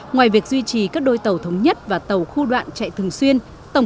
ngoài việc duy trì các đôi tàu thống nhất và tàu khu đoạn chạy thường xuyên